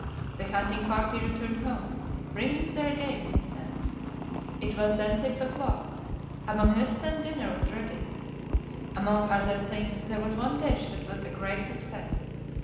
The hunting party returned home, bringing their game with them. It was then six o'clock. A magnificent dinner was ready. Among other things, there was one dish that was a great success.